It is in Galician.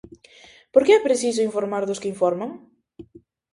Por que é preciso informar dos que informan?